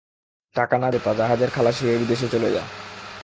টাকা না জোটে তো জাহাজের খালাসী হয়ে বিদেশে চলে যা।